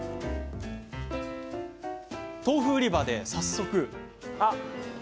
豆腐売り場で早速。